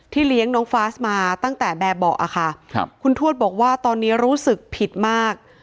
เลี้ยงน้องฟาสมาตั้งแต่แบบเบาะค่ะครับคุณทวดบอกว่าตอนนี้รู้สึกผิดมาก